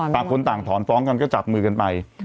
ต่างคนต่างถอนฟ้องกันก็จับมือกันไป